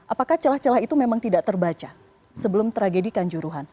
apakah celah celah itu memang tidak terbaca sebelum tragedi kanjuruhan